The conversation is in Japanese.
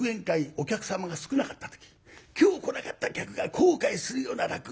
お客様が少なかった時「今日来なかった客が後悔するような落語をやってやる」って言ってね